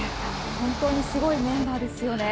本当にすごいメンバーですよね。